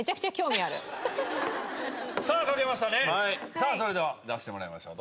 さあそれでは出してもらいましょう。